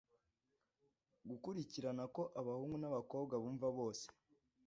gukurikirana ko abahungu n'abakobwa bumva bose